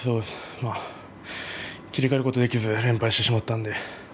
切り替えることができずに連敗してしまった。